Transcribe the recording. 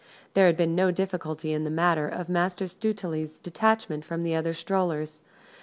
There had been no difficulty in the matter of Master Stuteley's detachment from the other strollers.